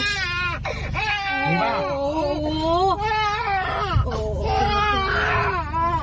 กะยิ่งไม่ยุ่น